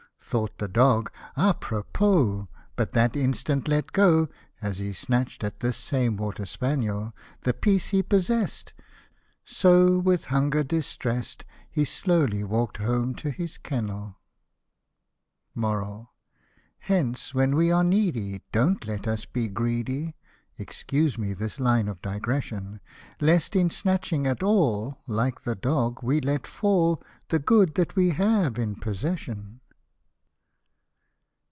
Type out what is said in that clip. Thought the dog, a propos ! but that instant let go (As he snatch' d at this same water spaniel) The piece he possess'd : so with hunger distress'd He slowly walk'd home to his kennel. Hence, when we are needy, don't let us be greedy, (Excuse me this line of digression.) Lest in snatching at all, like the dog, we let fall The good that we have in possession.